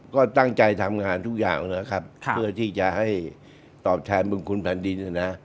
ก็ตั้งใจทำงานทุกอย่างนะครับเพื่อที่จะให้ตอบแทนบุญคุณแผ่นดินนะ